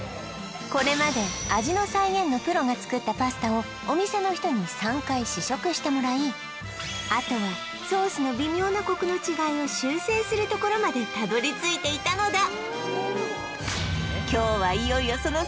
これまで味の再現のプロが作ったパスタをお店の人に３回試食してもらいあとはソースの微妙なコクの違いを修正するところまでたどり着いていたのだ